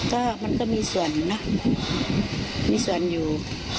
ก็มันก็มีส่วนนะมีส่วนอยู่